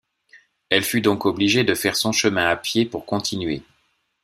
Elle fut donc obligé de faire son chemin à pied pour continuer.